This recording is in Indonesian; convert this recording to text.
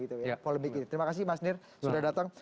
terima kasih mas nir sudah datang